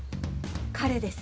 彼です。